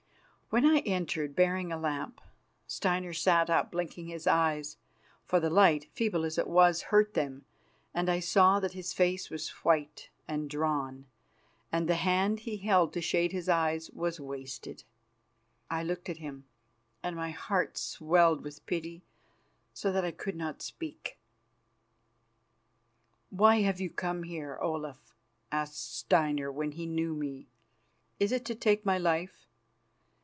When I entered, bearing a lamp, Steinar sat up blinking his eyes, for the light, feeble as it was, hurt them, and I saw that his face was white and drawn, and the hand he held to shade his eyes was wasted. I looked at him and my heart swelled with pity, so that I could not speak. "Why have you come here, Olaf?" asked Steinar when he knew me. "Is it to take my life?